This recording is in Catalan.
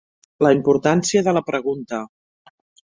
La importància de la pregunta.